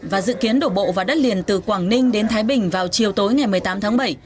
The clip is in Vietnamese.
và dự kiến đổ bộ vào đất liền từ quảng ninh đến thái bình vào chiều tối ngày một mươi tám tháng bảy